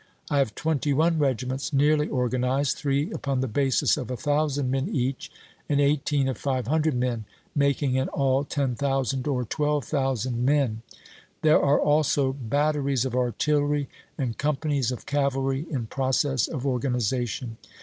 I have twenty one regiments nearly or ganized, three upon the basis of a thousand men each, and eighteen of 500 men, making in all 10,000 or 12,000 men. There are also batteries of artillery and companies of cavalry in process of organization.